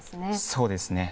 そうですね。